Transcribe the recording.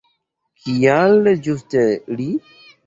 Kial ĝuste li?